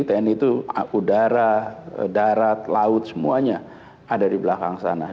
tni itu udara darat laut semuanya ada di belakang sana